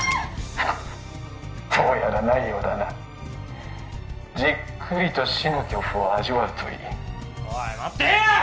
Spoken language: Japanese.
フッどうやらないようだなじっくりと死の恐怖を味わうといいおい待てよ！